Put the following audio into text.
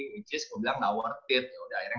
which is gue bilang gak worth it yaudah akhirnya